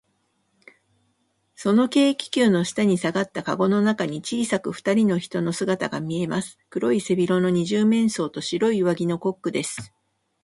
その軽気球の下にさがったかごの中に、小さくふたりの人の姿がみえます。黒い背広の二十面相と、白い上着のコックです。